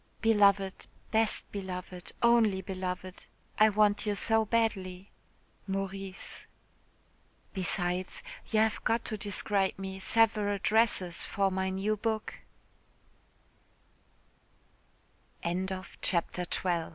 "Beloved, best beloved, only beloved, I want you so badly. "MAURICE. "Besides, you have got to describe me several dresses for m